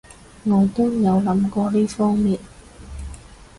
我都有諗過呢方面